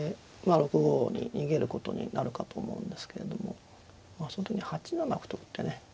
６五に逃げることになるかと思うんですけれどもその時に８七歩と打ってね